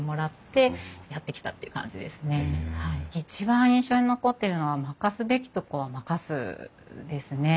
一番印象に残ってるのは任すべきとこは任すですね。